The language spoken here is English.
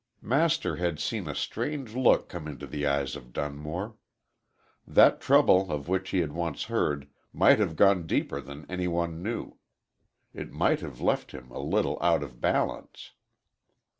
Master had seen a strange look come into the eyes of Dunmore. That trouble, of which he had once heard, might have gone deeper than any one knew. It might have left him a little out of balance.